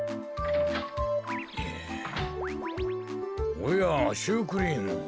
おやシュークリーム。